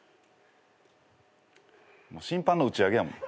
審判の打ち上げやもん。